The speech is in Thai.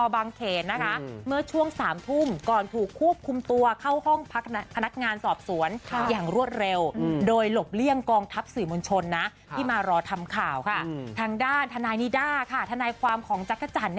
เรื่องคดีนิดหนึ่งละกันทั้งคู่ถูกส่งตัวมายังสบั้งเขน